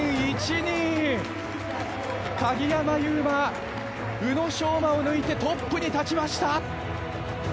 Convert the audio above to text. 鍵山優真、宇野昌磨を抜いてトップに立ちました。